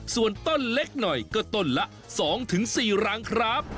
ส่วนต้นเล็กหน่อยก็ต้นละ๒๔รังครับ